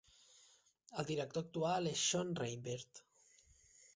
El director actual és Sean Rainbird.